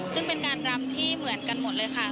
ซึ่งเป็นการรำที่เหมือนกันหมดเลยค่ะ